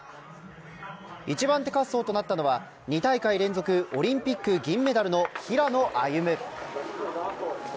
１番手滑走となったのは２大会連続オリンピック銀メダルの平野歩夢。